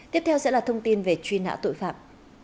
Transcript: tiếp theo sẽ là thông tin về truy nã tội phạm